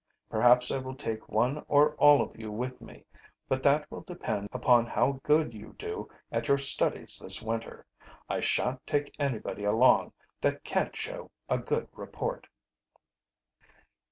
Perhaps I will take one or all of you with me, but that will depend upon how good you do at your studies this winter. I shan't take anybody along that can't show a good report."